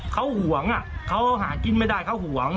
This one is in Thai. เขาห่วงเขาหากินไม่ได้เขาห่วง